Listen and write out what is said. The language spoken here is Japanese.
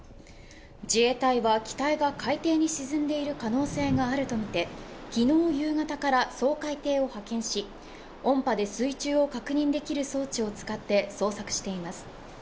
自衛隊は機体が海底に沈んでいる可能性があるとみて昨日夕方から掃海艇を派遣し、音波で水中を確認できる装置を使って捜索しています。